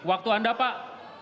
waktu anda pak